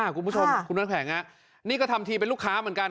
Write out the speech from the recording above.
คุณผู้ชมคุณน้ำแข็งนี่ก็ทำทีเป็นลูกค้าเหมือนกัน